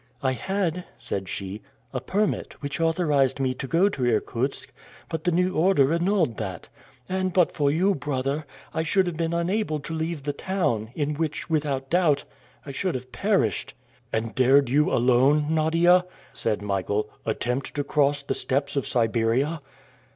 "I had," said she, "a permit which authorized me to go to Irkutsk, but the new order annulled that; and but for you, brother, I should have been unable to leave the town, in which, without doubt, I should have perished." "And dared you, alone, Nadia," said Michael, "attempt to cross the steppes of Siberia?"